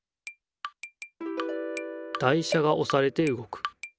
台車がおされてうごく。